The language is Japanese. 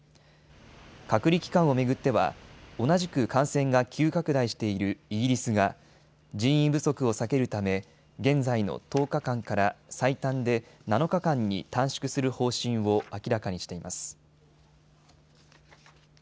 隔離期間を巡っては同じく感染が急拡大しているイギリスが人員不足を避けるため現在の１０日間から最短で７日間に短縮する方針を明らかにしています。